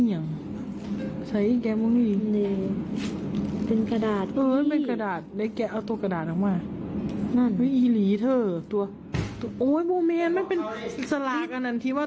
ตั้งใจซื้อมาตอนแกะต้องฟิล่นแน่